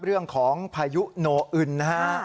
เรื่องของพายุโนอึนฮะ